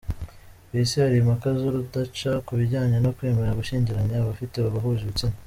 Ku Isi hari impaka z’urudaca ku bijyanye no kwemera gushyingiranya abafite abahuje ibitsina.